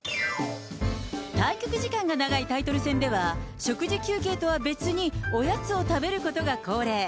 対局時間が長いタイトル戦では、食事休憩とは別に、おやつを食べることが恒例。